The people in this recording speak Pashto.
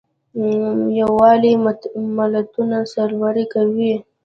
یووالی ملتونه سرلوړي کوي.